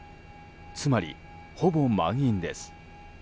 つまり、ほぼ満員です。